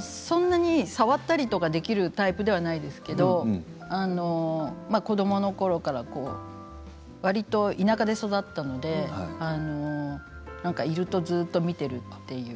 そんなに触ったりするタイプではないですけど子どものころから田舎で育ったのでいるとずっと見ているという。